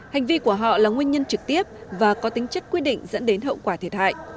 hành vi của họ là nguyên nhân trực tiếp và có tính chất quyết định dẫn đến hậu quả thiệt hại